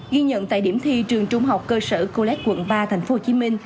ghi nhận tại điểm thi trường trung học cơ sở colet quận ba tp hcm